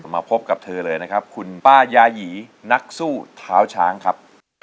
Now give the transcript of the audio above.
มาพบกับเธอเลยนะครับคุณป้ายาหยีนักสู้เท้าช้างครับ